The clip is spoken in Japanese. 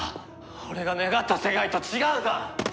俺が願った世界と違うぞ！